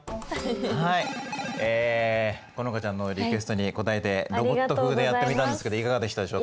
はいえ好花ちゃんのリクエストに応えてロボット風でやってみたんですけどいかがでしたでしょうか？